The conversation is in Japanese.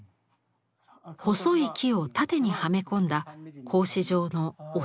細い木を縦にはめ込んだ格子状の「筬欄間」です。